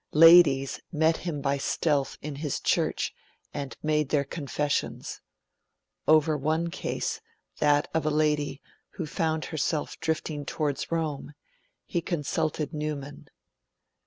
Ladies met him by stealth in his church, and made their confessions. Over one case that of a lady, who found herself drifting towards Rome he consulted Newman.